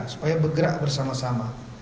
supaya bergerak bersama sama